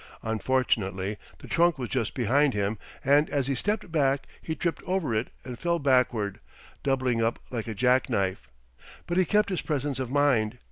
Unfortunately the trunk was just behind him and as he stepped back he tripped over it and fell backward, doubling up like a jack knife. But he kept his presence of mind.